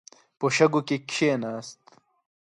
په شګو کې کښیناست.